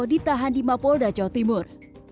ditahan di mapolda jawa timur